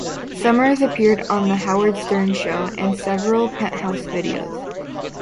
Summers appeared on "The Howard Stern Show" and several Penthouse videos.